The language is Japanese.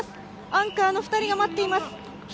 アンカーの２人が待っています。